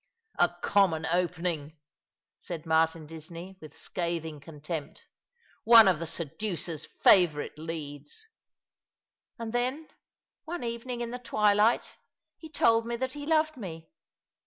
A common opening," said Martin Disney, with scathing contempt. " One of the seducer's favourite leads." *' And then, one evening in the twilight, he told me that he loved me.